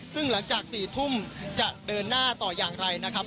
ซึ่งหลังจาก๔ทุ่มจะเดินหน้าต่ออย่างไรนะครับ